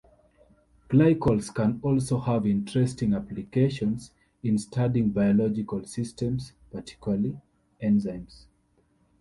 Glycals can also have interesting applications in studying biological systems, particularly enzymes.